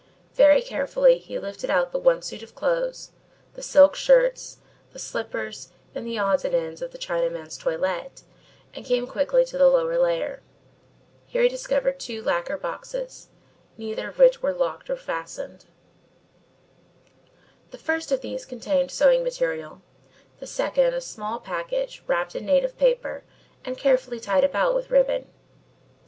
Very carefully he lifted out the one suit of clothes, the silk shirts, the slippers and the odds and ends of the Chinaman's toilet and came quickly to the lower layer. Here he discovered two lacquer boxes, neither of which were locked or fastened. The first of these contained sewing material, the second a small package wrapped in native paper and carefully tied about with ribbon.